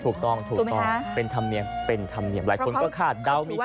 ถูกต้องถูกต้องเป็นธรรมเนียมเป็นธรรมเนียมหลายคนก็คาดเดา